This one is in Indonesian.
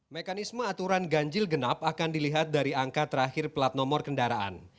mekanisme aturan ganjil genap akan dilihat dari angka terakhir plat nomor kendaraan